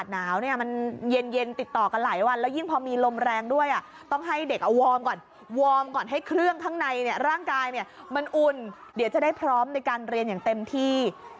เดี๋ยวจะได้พร้อมในการเรียนอย่างเต็มที่